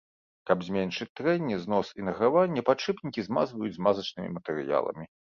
Каб зменшыць трэнне, знос і награванне падшыпнікі змазваюць змазачнымі матэрыяламі.